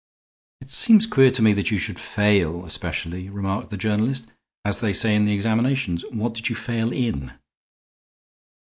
"It seems queer to me that you should fail especially," remarked the journalist. "As they say in the examinations, what did you fail in?"